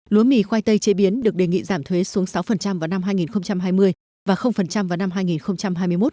lúa mì khoai tây chế biến được đề nghị giảm thuế xuống sáu vào năm hai nghìn hai mươi và vào năm hai nghìn hai mươi một